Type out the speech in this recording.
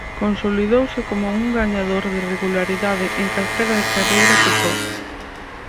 Consolidouse como un gañador de regularidade en calquera carreira que corre.